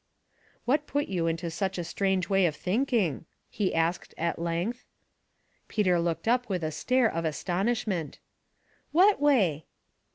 ''' What put you into such a strange way of thinking ?" he asked, at length. Peter looked up with a stare of astonishment. ''What way?"